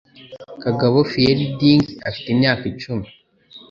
Kagabo Fielding, ufite imyaka icumi,